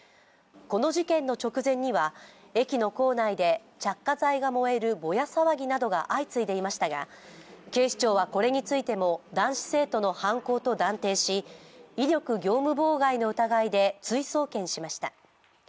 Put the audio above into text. この事件の直前には駅の構内で着火剤が燃えるボヤ騒ぎなどが相次いでいましたが、警視庁はこれについても男子生徒の犯行と断定し、威力業務妨害の疑いで、追送検しました。